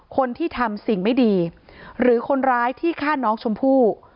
คนที่ทำสิ่งไม่ดีหรือคนร้ายที่ฆ่าน้องชมพู่